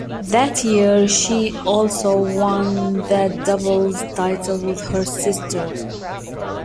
That year she also won the doubles title with her sister.